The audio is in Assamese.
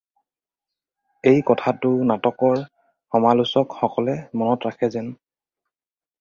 এই কথাটো নাটকৰ সমালোচকসকলে মনত ৰাখে যেন।